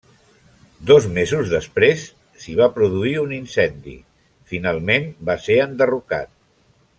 Dos mesos després, s'hi va produir un incendi; finalment, va ser enderrocat.